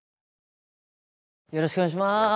よろしくお願いします。